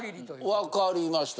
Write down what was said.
わかりました。